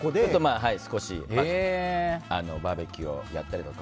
少しバーベキューをやったりだとか。